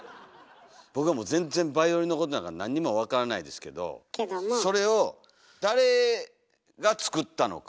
僕はもう全然バイオリンのことなんか何にも分からないですけどそれを誰が作ったのか。